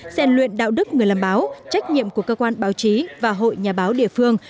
rèn luyện đạo đức người làm báo trách nhiệm của cơ quan báo chí và hội nhà báo địa phương